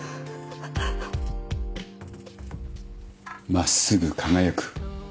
真っすぐ輝く。